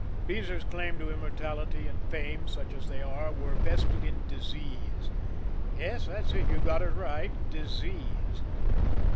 Beezer's claims to immortality and fame, such as they are, were vested in disease. Yes; that's it, you've got it right disease.